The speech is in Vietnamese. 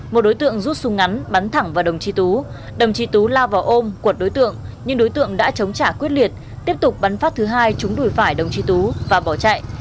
một đối tượng rút súng ngắn bắn thẳng vào đồng chí tú đồng chí tú la vào ôm quật đối tượng nhưng đối tượng đã chống trả quyết liệt tiếp tục bắn phát thứ hai chúng đùi phải đồng chí tú và bỏ chạy